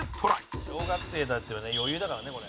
山崎：小学生であってもね余裕だからね、これ。